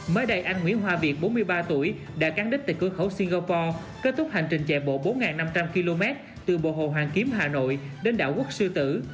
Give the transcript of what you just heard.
mới đây anh nguyễn hoa việt bốn mươi ba tuổi đã cán đích tại cửa khẩu singapore kết thúc hành trình chạy bộ bốn năm trăm linh km từ bộ hồ hoàn kiếm hà nội đến đảo quốc sư tử